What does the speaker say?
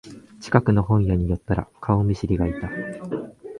近くの本屋に寄ったら顔見知りがいた